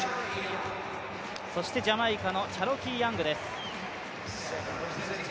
そしてジャマイカのチャロキー・ヤングです。